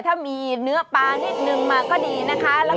ถ้ามีเนื้อปลานิดนึงมาก็ดีนะคะ